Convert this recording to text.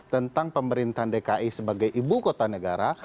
tentang pemerintahan dki sebagai ibu kota negara